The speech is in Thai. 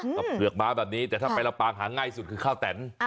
แบบเกือกม้าแบบนี้แต่ถ้าไปหาว่าง่ายสุดคือที่ค่าวแตน